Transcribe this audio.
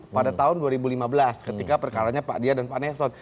pada tahun dua ribu lima belas ketika perkaranya pak dia dan pak nelson